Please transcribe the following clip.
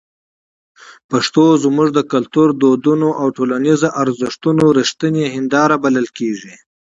پښتو زموږ د کلتور، دودونو او ټولنیزو ارزښتونو رښتینې هنداره بلل کېږي.